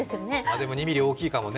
でも、２ミリ、大きいかもね。